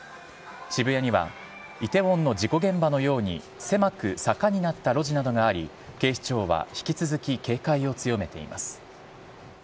渋谷にはイテウォンの事故現場のように、狭く坂になった路地などがあり、警視庁は引き続き警戒を強めています。